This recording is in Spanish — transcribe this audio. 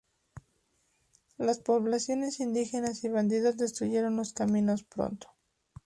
Las poblaciones indígenas y bandidos destruyeron los caminos pronto.